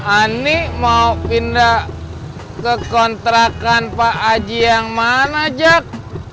ani mau pindah ke kontrakan pak aji yang mana jak